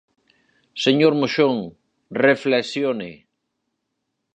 Señor Moxón, reflexione.